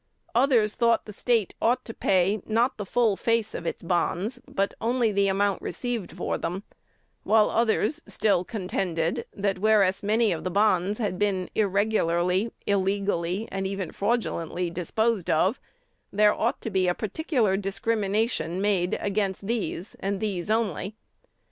Others thought the State ought to pay, not the full face of its bonds, but only the amount received for them; while others still contended that, whereas, many of the bonds had been irregularly, illegally, and even fraudulently disposed of, there ought to be a particular discrimination made against these, and these only.